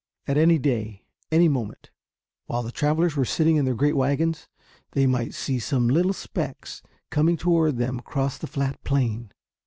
Any day, any moment, while the travelers were sitting in their great wagons, they might see some little specks coming toward them across the flat plain.